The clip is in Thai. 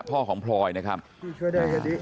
พ่อของพลอยนะครับ